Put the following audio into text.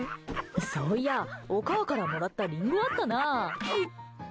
そういや、おかあからもらったリンゴあったな。